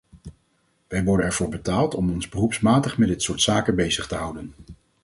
Wij worden ervoor betaald om ons beroepsmatig met dit soort zaken bezig te houden.